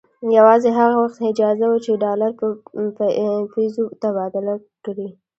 یوازې هغه وخت اجازه وه چې ډالر پر پیزو تبادله کړي.